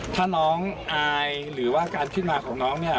ถ้าน้องอายหรือว่าการขึ้นมาของน้องเนี่ย